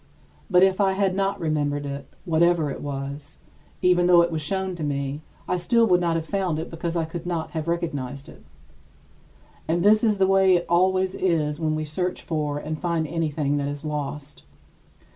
But if I had not remembered it whatever it was even though it was shown to me, I still would not have found it because I could not have recognized it. And this is the way it always is when we search for and find anything that is lost.